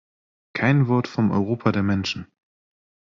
Kein Wort vom Europa der Menschen!